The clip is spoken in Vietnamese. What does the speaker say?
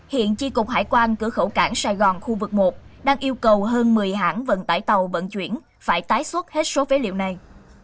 hiện tri cục hải quan cửa khẩu cảng sài gòn khu vực một đang yêu cầu hơn một mươi hãng vận tải tàu vận chuyển phải tái xuất hết số phế liệu này